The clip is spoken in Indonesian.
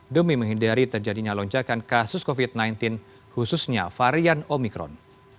demi menghindari terjadinya lonjakan kasus covid sembilan belas khususnya varian omikron